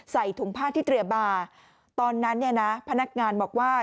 ใส่ถุงผ้าที่เตรียบาตอนนั้นพนักงานบอกว่า